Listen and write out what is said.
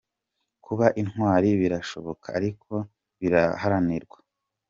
Kuba intwari birashoboka, ariko biraharanirwa ».